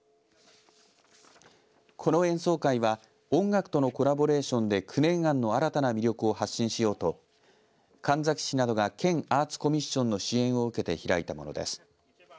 この演奏会は音楽とのコラボレーションで九年庵の新たな魅力を発信しようと神埼市などが県アーツコミッションの支援を受けて開いたものです。